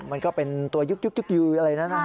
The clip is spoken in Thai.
มันก็เป็นตัวยุ๊กอะไรนะ